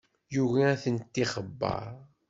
Yugi ad tent-ixebber.